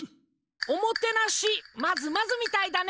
おもてなしまずまずみたいだね。